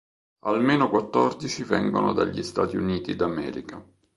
Almeno quattordici vengono dagli Stati Uniti d'America.